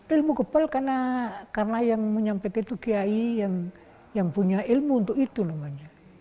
ilmu gebel karena yang menyampaikan itu kiai yang punya ilmu untuk itu namanya